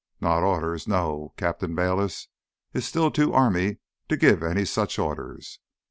"Not orders, no. Captain Bayliss is still too army to give any such orders.